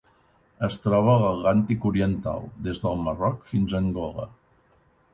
Es troba a l'Atlàntic oriental: des del Marroc fins a Angola.